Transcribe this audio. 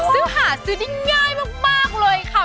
ซึ่งหาซื้อได้ง่ายมากเลยค่ะ